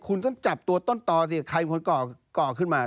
คุณต้องจับตัวต้นต่อที่ใครมันก่อขึ้นมา